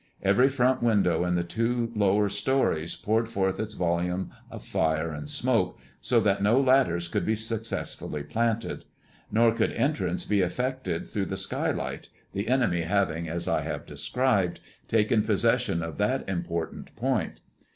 Every front window in the two lower stories poured forth its volume of fire and smoke, so that no ladders could be successfully planted. Nor could entrance be effected through the skylight, the enemy having, as I have described, taken possession of that important point.